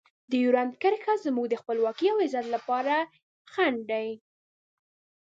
ډیورنډ کرښه زموږ د خپلواکۍ او عزت لپاره خنډ دی.